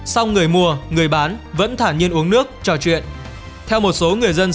sau người mua người bán vẫn thả nhiên uống nước trò chuyện